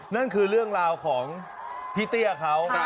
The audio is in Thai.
นั่นคือเรื่องราวของพี่เตี้ยเขา